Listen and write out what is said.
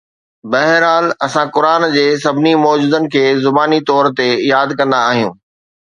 بهرحال، اسان قرآن جي سڀني معجزن کي زباني طور تي ياد ڪندا آهيون